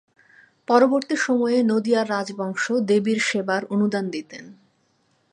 পরবর্তী সময়ে নদিয়ার রাজবংশ দেবীর সেবার অনুদান দিতেন।